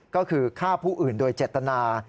ก็คือฆ่าผู้อื่นโดยเจตนา